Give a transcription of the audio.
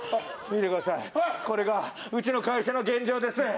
見てください、これがうちの会社の現状です。